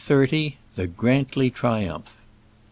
THE GRANTLY TRIUMPH.